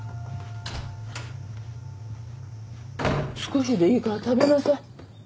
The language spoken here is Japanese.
少しでいいから食べなさい。